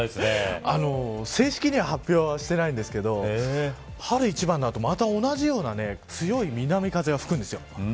正式には発表はしてないんですけれども春一番の後また同じような強い南風が吹くんです。